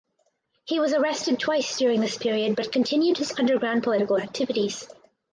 He was arrested twice during this period but continued his underground political activities.